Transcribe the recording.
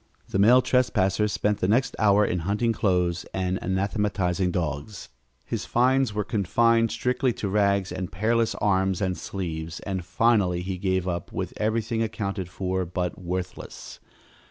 The male trespasser spent the next hour in hunting clothes and anathematizing dogs. His finds were confined strictly to rags and pairless arms and sleeves, and finally he gave up, with everything accounted for but worthless.